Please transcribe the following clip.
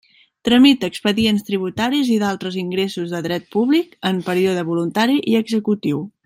Tramita expedients tributaris i d'altres ingressos de dret públic en període voluntari i executiu.